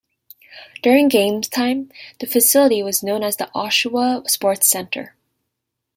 During Games time the facility was known as the Oshawa Sports Centre.